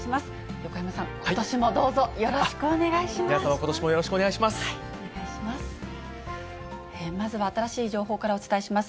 横山さん、ことしもどうぞよろしくお願いします。